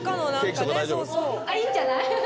あっいいんじゃない？